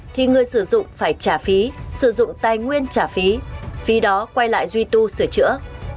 thì người sử dụng phải trả phí sử dụng tài nguyên trả phí vì đó quay lại duy tu sửa chữa